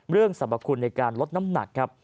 สรรพคุณในการลดน้ำหนักครับ